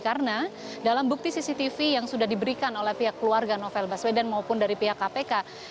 karena dalam bukti cctv yang sudah diberikan oleh pihak keluarga novel baswedan maupun dari pihak kpk